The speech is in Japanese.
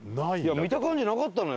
見た感じなかったのよ